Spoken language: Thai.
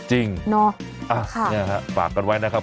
จริงเนาะอ่ะเนี่ยฮะปากกันไว้นะครับ